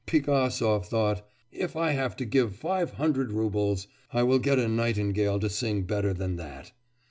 Pigasov thought, 'If I have to give five hundred roubles I will get a nightingale to sing better than that!